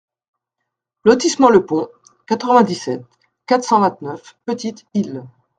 Lotissement le Pont, quatre-vingt-dix-sept, quatre cent vingt-neuf Petite-Île